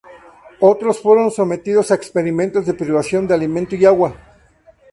Otros fueron sometidos a experimentos de privación de alimento y agua.